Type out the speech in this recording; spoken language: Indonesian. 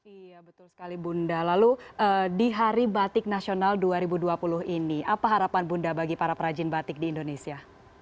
iya betul sekali bunda lalu di hari batik nasional dua ribu dua puluh ini apa harapan bunda bagi para perajin batik di indonesia